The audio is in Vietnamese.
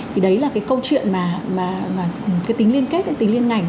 thì đấy là cái câu chuyện mà cái tính liên kết cái tính liên ngành